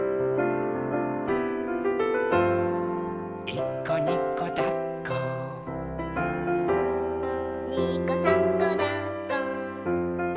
「いっこにこだっこ」「にこさんこだっこ」